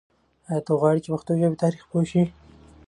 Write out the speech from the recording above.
آیا ته غواړې چې د پښتو ژبې په تاریخ پوه شې؟